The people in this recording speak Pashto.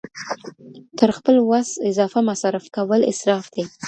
تر خپل وسع اضافه مصارف کول اسراف دی.